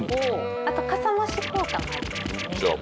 あとかさ増し効果もありますね。